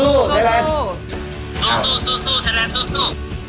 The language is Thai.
สู้สู้ไทยแลนดสู้